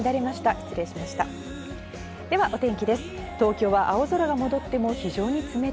失礼しました。